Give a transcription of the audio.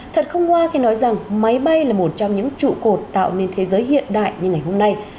thật không ngoa khi nói rằng máy bay là một trong những trụ cột tạo nên thế giới hiện đại như ngày hôm nay